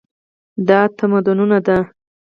دا د تمدنونو ده.